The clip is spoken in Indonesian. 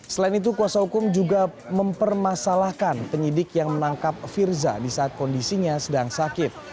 selain itu kuasa hukum juga mempermasalahkan penyidik yang menangkap firza di saat kondisinya sedang sakit